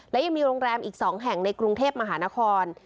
และยังมีโรงแรมอีก๒แห่งในกรุงเทพมหานคร